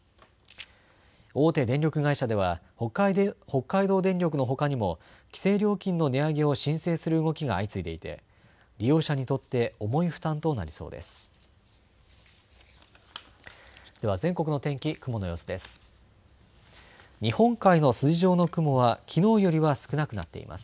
大手電力会社では北海道電力のほかにも規制料金の値上げを申請する動きが相次いでいて利用者にとって重い負担となりそうです。